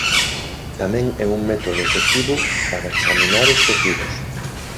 Tamén é un método efectivo para examinar os tecidos.